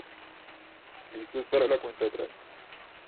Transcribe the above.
Listos para la cuenta atrás.